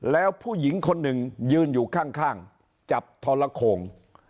แล้วผู้หญิงคนหนึ่งยืนอยู่ข้างจับทรโขง